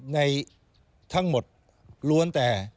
ในทั้งหมดล้วนแต่